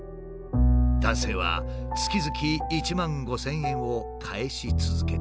男性は月々１万５，０００円を返し続けているという。